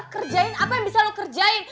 kerjain apa yang bisa lo kerjain